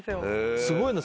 すごいね。